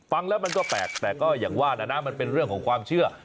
ฟังแล้วมันก็แปลกแต่ก็อย่างว่านะมันเป็นเรื่องของความเชื่อ